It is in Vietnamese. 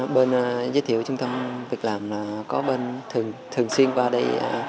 bên giới thiệu trung tâm việc làm có bên thường xuyên qua đây